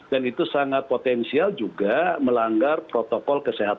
dan itu sangat potensial juga melanggar protokol keseluruhan